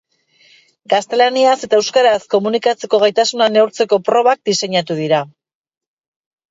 Gaztelaniaz eta euskaraz komunikatzeko gaitasuna neurtzeko probak diseinatu dira.